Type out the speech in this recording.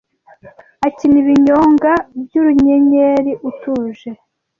Akina ibinyonga by’ urunyenyeri utuje